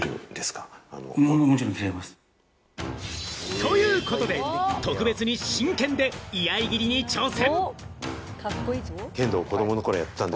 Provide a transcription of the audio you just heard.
ということで、特別に真剣で居合斬りに挑戦。